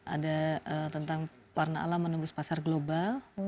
ada tentang warna alam menembus pasar global